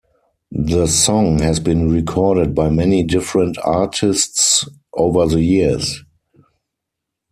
The song has been recorded by many different artists over the years.